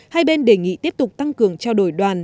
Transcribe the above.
hai bên đề nghị tiếp tục tăng cường trao đổi đoàn